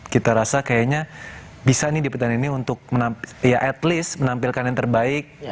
kita rasa kayaknya bisa nih di pertandingan ini untuk ya at least menampilkan yang terbaik